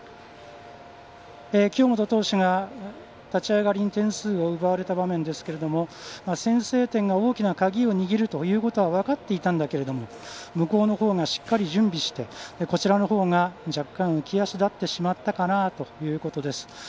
京本投手が立ち上がり点数を奪われた場面ですが先制点が大きな鍵を握るということは分かっていたんだけれども向こうのほうがしっかり準備してこちらのほうが若干浮き足立ってしまったかなということです。